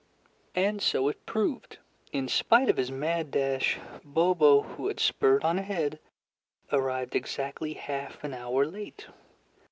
And so it proved. In spite of his mad dash, Bobo, who had spurred on ahead, arrived exactly half an hour late.